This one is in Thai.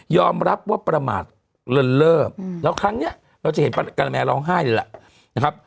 ยอมรับว่าประมาทเลิศแล้วครั้งนี้เราจะเห็นการแมร์ร้องไห้เลยละ